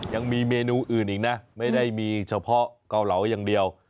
ยังมีเมนูอื่นอีกนะไม่ได้มีเฉพาะเกาเหลาอย่างเดียว